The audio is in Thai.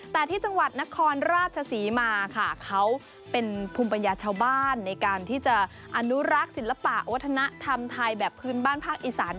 แต่ที่จังหวัดนครราชศรีมาค่ะเขาเป็นภูมิปัญญาชาวบ้านในการที่จะอนุรักษ์ศิลปะวัฒนธรรมไทยแบบพื้นบ้านภาคอีสาน